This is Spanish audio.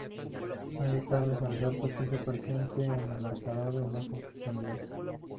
Allí Carlos Alberto se hizo presente en el marcador en dos oportunidades.